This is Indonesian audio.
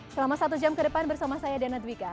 selama satu jam ke depan bersama saya dena dwiqa